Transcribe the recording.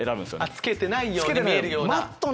つけてないように見えるような。